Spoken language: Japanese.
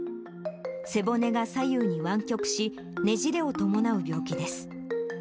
背骨が左右にわん曲し、ねじれを伴う病気です。